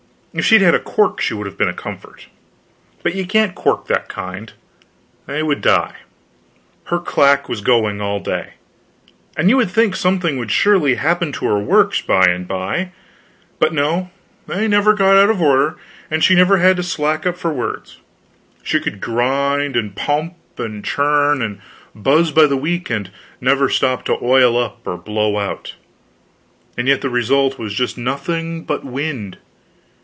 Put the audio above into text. If she had had a cork she would have been a comfort. But you can't cork that kind; they would die. Her clack was going all day, and you would think something would surely happen to her works, by and by; but no, they never got out of order; and she never had to slack up for words. She could grind, and pump, and churn, and buzz by the week, and never stop to oil up or blow out. And yet the result was just nothing but wind.